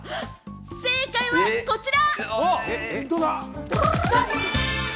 正解はこちら！